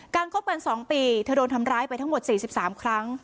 การคบกันสองปีเธอโดนทำร้ายไปทั้งหมดสี่สิบสามครั้ง